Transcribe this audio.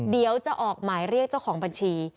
เดี๋ยวจะออกหมายเรียกเจ้าของบัญชี